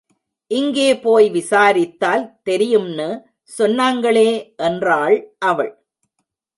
இங்கே போய் விசாரித்தால் தெரியும்னு சொன்னாங்களே என்றாள் அவள்.